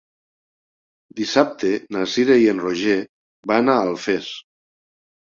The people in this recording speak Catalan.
Dissabte na Cira i en Roger van a Alfés.